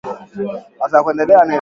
viazi lishe huliwa na namaharage